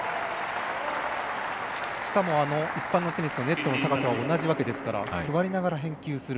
しかも、一般のテニスとネットの高さは同じわけですから座りながら返球する。